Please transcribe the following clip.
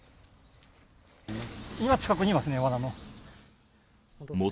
今、近くにいますね、わなの。